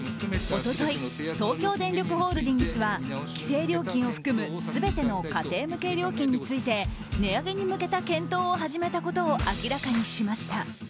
一昨日東京電力ホールディングスは規制料金を含む全ての家庭向け料金について値上げに向けた検討を始めたことを明らかにしました。